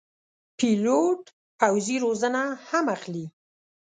پیلوټ پوځي روزنه هم اخلي.